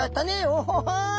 おい！